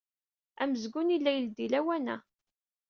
Amezgun yella ileddey lawan-a.